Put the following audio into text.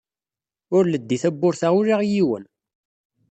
Ur leddi tawwurt-a ula i yiwen.